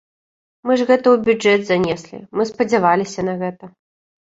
Мы ж гэта ў бюджэт занеслі, мы спадзяваліся на гэта.